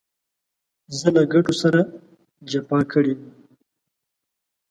زه له ګټو سره جفا کړې وي.